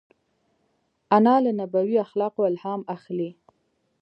انا له نبوي اخلاقو الهام اخلي